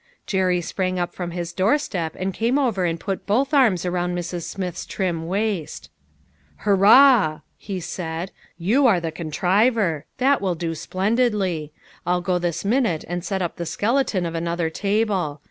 Jerry sprang up from his doorstep, and came over and put both arms around Mrs. Smith's trim waist. " Hurrah !" he said ;" you are the contriver. That will do splendidly. I'll go this minute and set up the skeleton of another table.